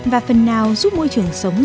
và phần nào giúp môi trường sống